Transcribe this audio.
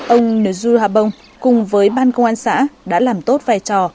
ông nguyễn du hà bông cùng với ban công an xã đã làm tốt vai trò